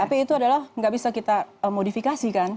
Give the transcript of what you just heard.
tapi itu adalah nggak bisa kita modifikasikan